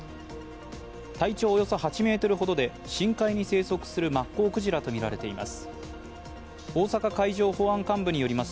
体長およそ８ｍほどで、深海に生息するマッコウクジラとみられています。